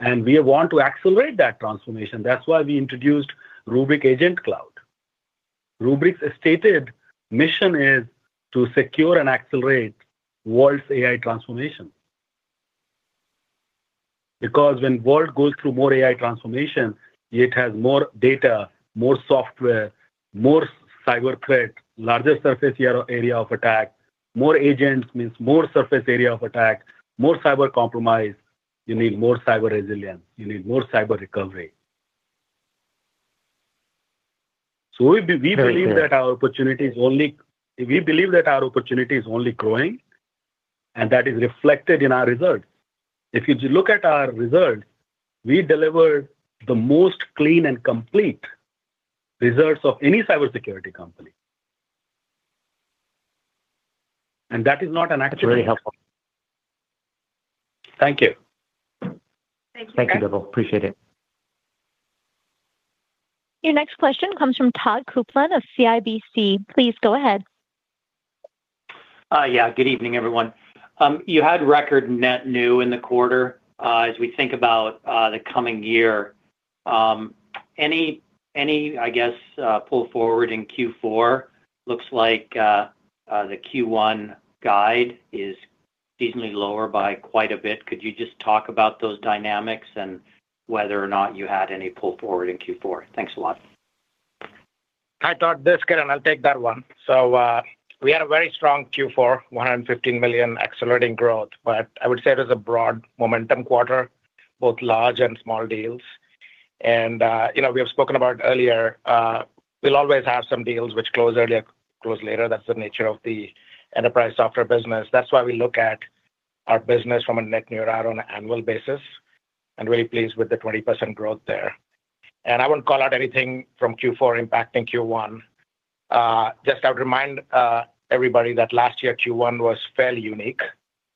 Speaker 3: We want to accelerate that transformation. That's why we introduced Rubrik Agent Cloud. Rubrik's stated mission is to secure and accelerate world's AI transformation. Because when world goes through more AI transformation, it has more data, more software, more cyber threat, larger surface area of attack. More agents means more surface area of attack, more cyber compromise. You need more cyber resilience. You need more cyber recovery. We believe that our opportunity is only growing, and that is reflected in our results. If you look at our results, we deliver the most clean and complete results of any cybersecurity company. That is not an accident.
Speaker 10: That's very helpful.
Speaker 3: Thank you.
Speaker 2: Thank you.
Speaker 10: Thank you, Bipul. Appreciate it.
Speaker 1: Your next question comes from Todd Coupland of CIBC. Please go ahead.
Speaker 11: Yeah. Good evening, everyone. You had record net new in the quarter. As we think about the coming year, any pull forward in Q4 looks like the Q1 guide is seasonally lower by quite a bit. Could you just talk about those dynamics and whether or not you had any pull forward in Q4? Thanks a lot.
Speaker 4: Hi, Todd. This is Kiran. I'll take that one. We had a very strong Q4, $115 million accelerating growth. I would say it is a broad momentum quarter, both large and small deals. We have spoken about earlier. We'll always have some deals which close earlier, close later. That's the nature of the enterprise software business. That's why we look at our business from a net new ARR on an annual basis, and very pleased with the 20% growth there. I won't call out anything from Q4 impacting Q1. Just, I would remind everybody that last year Q1 was fairly unique.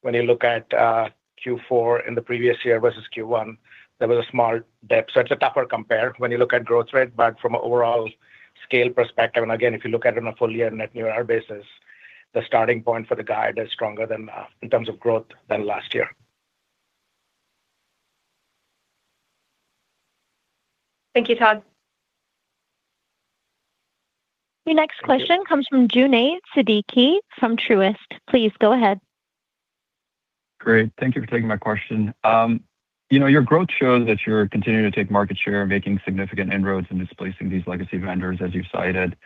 Speaker 4: When you look at Q4 in the previous year versus Q1, there was a small dip. It's a tougher compare when you look at growth rate. From an overall scale perspective, and again, if you look at it on a full year net new ARR basis, the starting point for the guide is stronger than in terms of growth than last year.
Speaker 2: Thank you, Todd.
Speaker 1: Your next question comes from Junaid Siddiqui from Truist. Please go ahead.
Speaker 12: Great. Thank you for taking my question. You know, your growth shows that you're continuing to take market share, making significant inroads in displacing these legacy vendors as you've cited.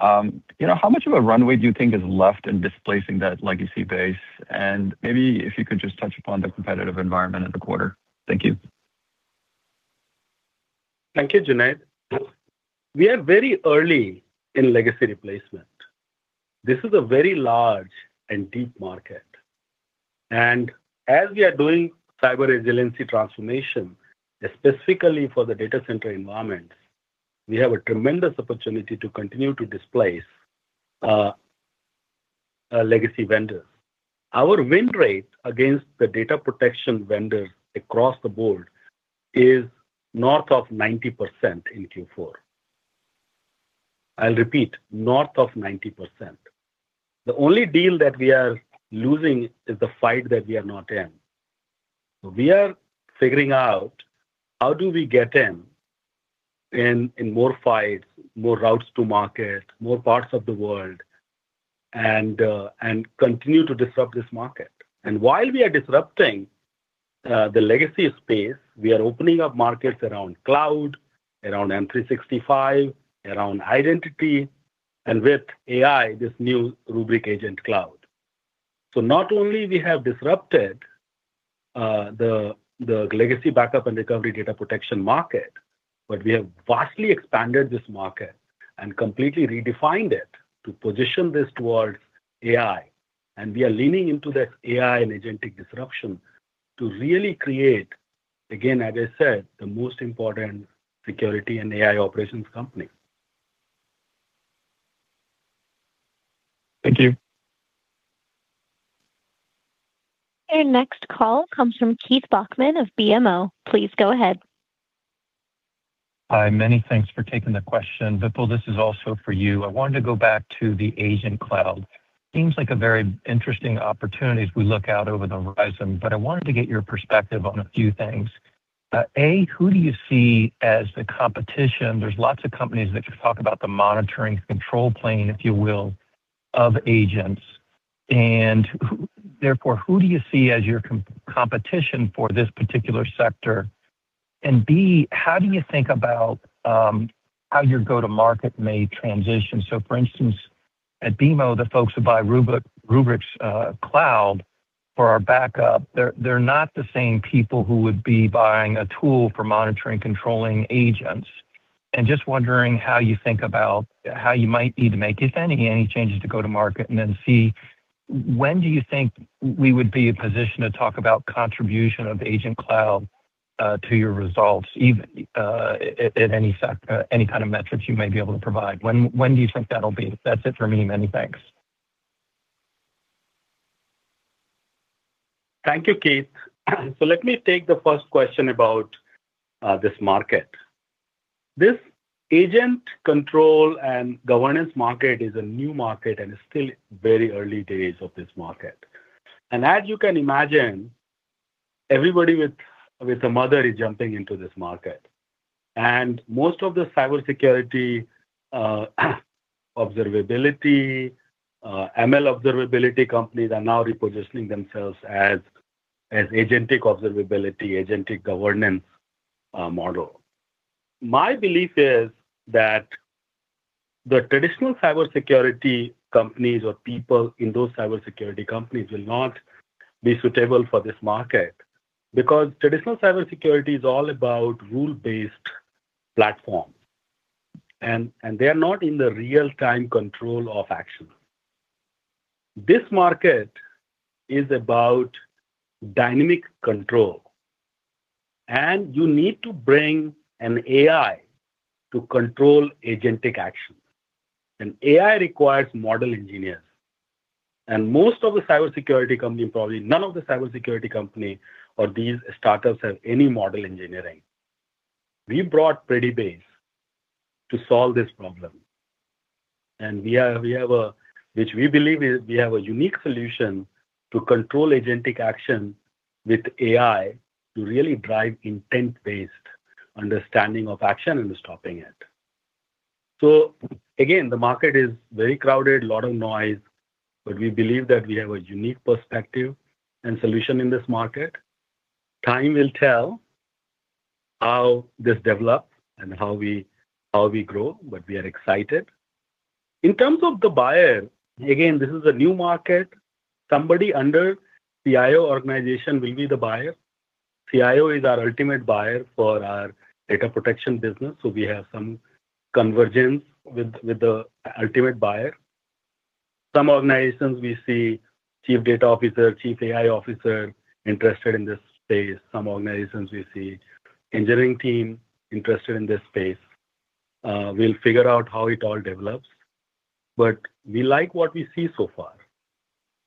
Speaker 12: You know, how much of a runway do you think is left in displacing that legacy base? Maybe if you could just touch upon the competitive environment in the quarter. Thank you.
Speaker 3: Thank you, Junaid. We are very early in legacy replacement. This is a very large and deep market. As we are doing cyber resiliency transformation, specifically for the data center environment, we have a tremendous opportunity to continue to displace legacy vendors. Our win rate against the data protection vendors across the board is north of 90% in Q4. I'll repeat, north of 90%. The only deal that we are losing is the fight that we are not in. We are figuring out how do we get in more fights, more routes to market, more parts of the world and continue to disrupt this market. While we are disrupting the legacy space, we are opening up markets around cloud, around M365, around identity, and with AI, this new Rubrik Agent Cloud. Not only we have disrupted the legacy backup and recovery data protection market, but we have vastly expanded this market and completely redefined it to position this towards AI. We are leaning into that AI and agentic disruption to really create, again, as I said, the most important security and AI operations company.
Speaker 12: Thank you.
Speaker 1: Your next call comes from Keith Bachman of BMO. Please go ahead.
Speaker 13: Hi, many thanks for taking the question. Bipul, this is also for you. I wanted to go back to the Agent Cloud. Seems like a very interesting opportunity as we look out over the horizon, but I wanted to get your perspective on a few things. A, who do you see as the competition? There's lots of companies that you talk about the monitoring control plane, if you will, of agents, and therefore, who do you see as your competition for this particular sector? And B, how do you think about how your go-to-market may transition? For instance, at BMO, the folks who buy Rubrik's cloud for our backup, they're not the same people who would be buying a tool for monitoring controlling agents. Just wondering how you think about how you might need to make, if any changes to go to market and then, see, when do you think we would be in position to talk about contribution of Agent Cloud to your results, even to any effect, any kind of metrics you may be able to provide. When do you think that'll be? That's it for me. Many thanks.
Speaker 3: Thank you, Keith. Let me take the first question about this market. This agent control and governance market is a new market, and it's still very early days of this market. As you can imagine, everybody and their mother is jumping into this market. Most of the cybersecurity observability ML observability companies are now repositioning themselves as agentic observability, agentic governance model. My belief is that the traditional cybersecurity companies or people in those cybersecurity companies will not be suitable for this market because traditional cybersecurity is all about rule-based platform. They are not in the real-time control of action. This market is about dynamic control, and you need to bring an AI to control agentic action. An AI requires model engineers. Most of the cybersecurity companies, probably none of the cybersecurity companies or these startups have any model engineering. We brought Predibase to solve this problem. We have a unique solution to control agentic AI to really drive intent-based understanding of action and stopping it. Again, the market is very crowded, a lot of noise, but we believe that we have a unique perspective and solution in this market. Time will tell how this develops and how we grow, but we are excited. In terms of the buyer, again, this is a new market. Somebody under CIO organization will be the buyer. CIO is our ultimate buyer for our data protection business, so we have some convergence with the ultimate buyer. Some organizations we see chief data officer, chief AI officer interested in this space. Some organizations we see engineering team interested in this space. We'll figure out how it all develops, but we like what we see so far,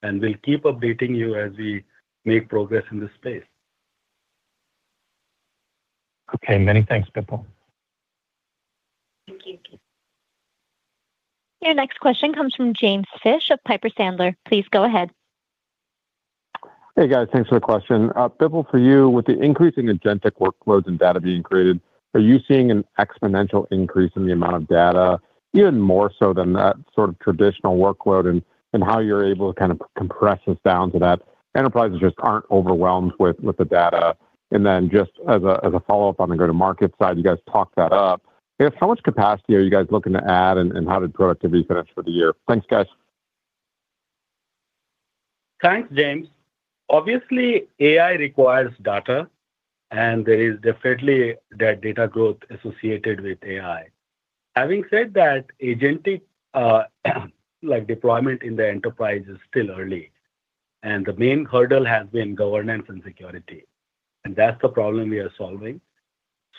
Speaker 3: and we'll keep updating you as we make progress in this space.
Speaker 13: Okay. Many thanks, Bipul.
Speaker 1: Thank you. Your next question comes from James Fish of Piper Sandler. Please go ahead.
Speaker 14: Hey, guys. Thanks for the question. Bipul, for you, with the increasing agentic workloads and data being created, are you seeing an exponential increase in the amount of data even more so than that sort of traditional workload and how you're able to kind of compress this down to that enterprises just aren't overwhelmed with the data? Then just as a follow-up on the go-to-market side, you guys talked that up. Yeah, so how much capacity are you guys looking to add, and how did productivity finish for the year? Thanks, guys.
Speaker 3: Thanks, James. Obviously, AI requires data, and there is definitely that data growth associated with AI. Having said that, agentic like deployment in the enterprise is still early, and the main hurdle has been governance and security, and that's the problem we are solving.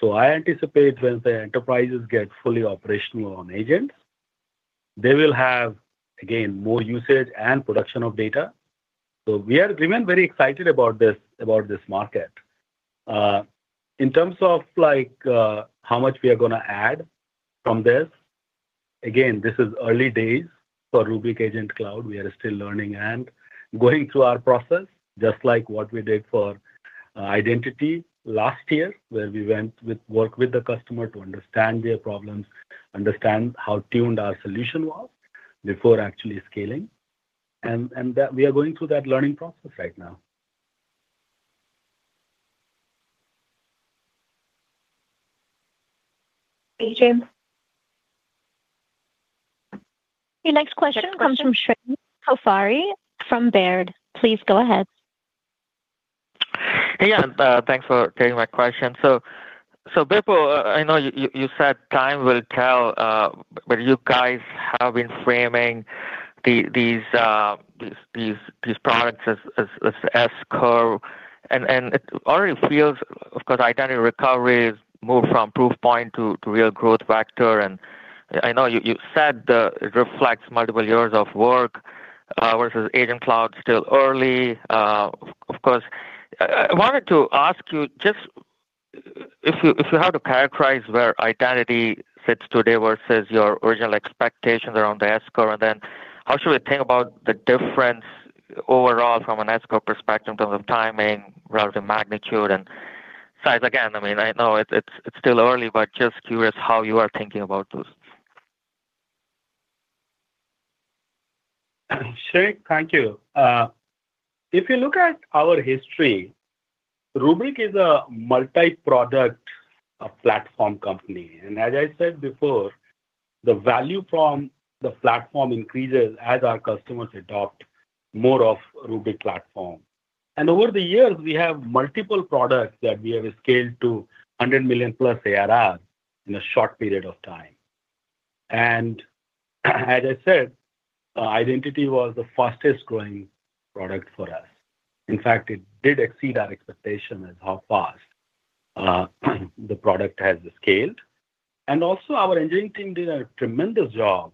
Speaker 3: I anticipate once the enterprises get fully operational on agents, they will have, again, more usage and production of data. We remain very excited about this market. In terms of, like, how much we are gonna add from this, again, this is early days for Rubrik Agent Cloud. We are still learning and going through our process, just like what we did for identity last year, where we went to work with the customer to understand their problems, understand how tuned our solution was before actually scaling. that we are going through that learning process right now.
Speaker 1: Thank you, James. Your next question comes from Shrenik Kothari from Baird. Please go ahead.
Speaker 15: Hey, thanks for taking my question. Bipul, I know you said time will tell, but you guys have been framing these products as S-curve. It already feels, of course, identity recovery has moved from proof point to real growth factor. I know you said it reflects multiple years of work versus Agent Cloud still early. Of course, I wanted to ask you just if you had to characterize where identity sits today versus your original expectations around the S-curve. Then how should we think about the difference overall from an S-curve perspective in terms of timing rather than magnitude and size? Again, I mean, I know it's still early, but just curious how you are thinking about those.
Speaker 3: Shrenik, thank you. If you look at our history, Rubrik is a multi-product platform company. As I said before, the value from the platform increases as our customers adopt more of Rubrik platform. Over the years, we have multiple products that we have scaled to 100 million+ ARR in a short period of time. As I said, identity was the fastest-growing product for us. In fact, it did exceed our expectation at how fast the product has scaled. Also our engineering team did a tremendous job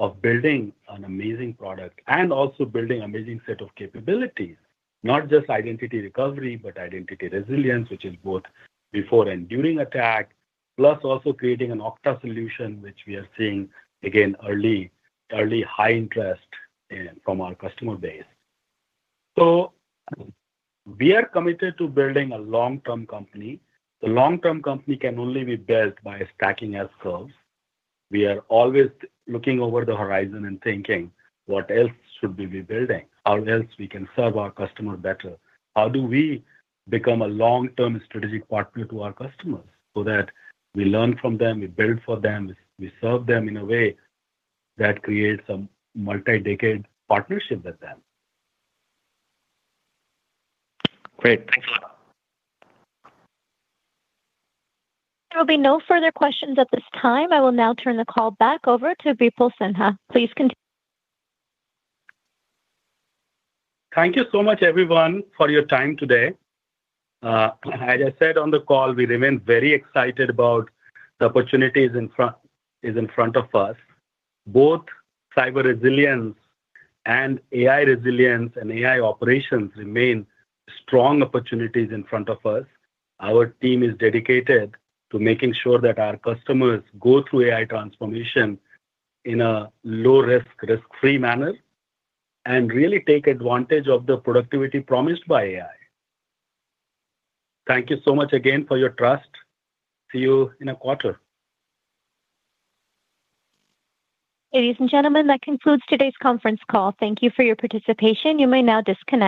Speaker 3: of building an amazing product and also building amazing set of capabilities. Not just identity recovery, but Identity Resilience, which is both before and during attack, plus also creating an Okta solution, which we are seeing again early high interest from our customer base. We are committed to building a long-term company. The long-term company can only be built by stacking S-curves. We are always looking over the horizon and thinking what else should we be building? How else we can serve our customers better? How do we become a long-term strategic partner to our customers so that we learn from them, we build for them, we serve them in a way that creates a multi-decade partnership with them.
Speaker 15: Great. Thanks a lot.
Speaker 1: There will be no further questions at this time. I will now turn the call back over to Bipul Sinha. Please continue.
Speaker 3: Thank you so much, everyone, for your time today. As I said on the call, we remain very excited about the opportunities in front of us. Both cyber resilience and AI resilience and AI operations remain strong opportunities in front of us. Our team is dedicated to making sure that our customers go through AI transformation in a low-risk, risk-free manner and really take advantage of the productivity promised by AI. Thank you so much again for your trust. See you in a quarter.
Speaker 1: Ladies and gentlemen, that concludes today's conference call. Thank you for your participation. You may now disconnect.